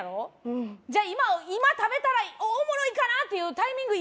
うんじゃあ今食べたらおもろいかなっていうタイミング